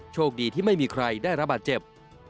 โชคดีที่ไม่มีใครได้รับบาดเจ็บ